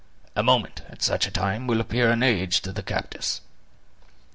A moment, at such a time, will appear an age to the captives."